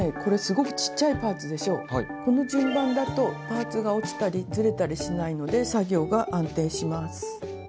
この順番だとパーツが落ちたりずれたりしないので作業が安定します。